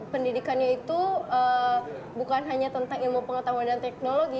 pendidikannya itu bukan hanya tentang ilmu pengetahuan dan teknologi